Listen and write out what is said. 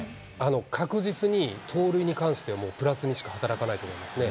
確実に盗塁に関しては、もうプラスにしか働かないと思いますね。